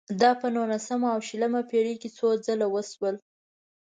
دا په نولسمه او شلمه پېړۍ کې څو ځله وشول.